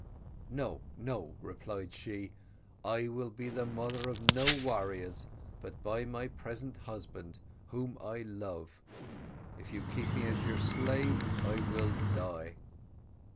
"`No, no,' replied she, `I will be the mother of no warriors but my present husband, whom I love; if you keep me as your slave I will die.'